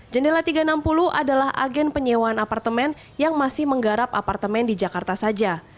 jendela tiga ratus enam puluh adalah agen penyewaan apartemen yang masih menggarap apartemen di jakarta saja